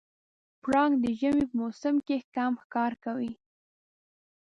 پړانګ د ژمي په موسم کې کم ښکار کوي.